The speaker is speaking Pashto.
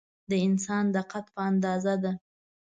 د انسان د قد په اندازه ده.